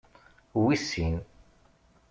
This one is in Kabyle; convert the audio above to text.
Wis sin.